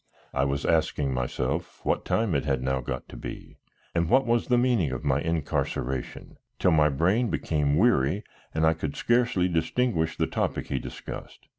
I was asking myself what time it had now got to be, and what was the meaning of my incarceration, till my brain became weary and I could scarcely distinguish the topic he discussed.